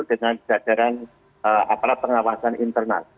dengan jajaran aparat pengawasan internal